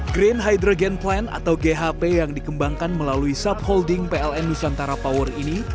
green hydrogen plan atau ghp yang dikembangkan melalui subholding pln nusantara power ini